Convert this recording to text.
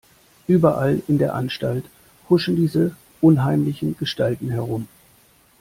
Überall in der Anstalt huschen diese unheimlichen Gestalten herum.